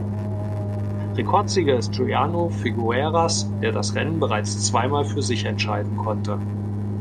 Rekordsieger ist Giuliano Figueras, der das Rennen bereits zweimal für sich entscheiden konnte.